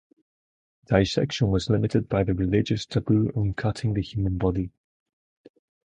Dissection was limited by the religious taboo on cutting the human body.